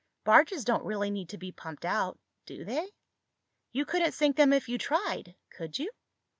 "Barges don't really need to be pumped out, do they? You couldn't sink them if you tried, could you?"